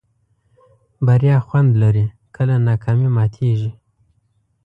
بریا خوند لري کله ناکامي ماتېږي.